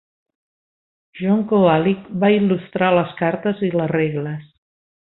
John Kovalic va il·lustrar les cartes i les regles.